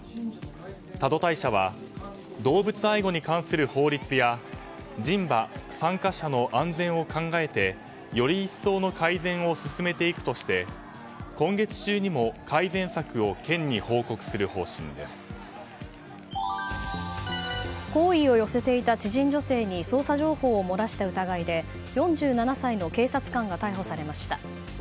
多度大社は動物愛護に関する法律や人、馬、参加者の安全を考えてより一層の改善を進めていくとして今月中にも改善策を好意を寄せていた知人女性に捜査情報を漏らした疑いで４７歳の警察官が逮捕されました。